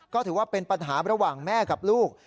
ก็ถือว่าเป็นปัญหาระหว่างแม่กับลูก